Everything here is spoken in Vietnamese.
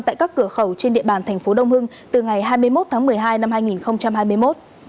tại các cửa khẩu trên địa bàn thành phố đông hưng từ ngày hai mươi một tháng một mươi hai năm hai nghìn hai mươi một